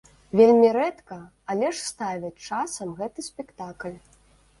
Вельмі рэдка, але ж ставяць часам гэты спектакль.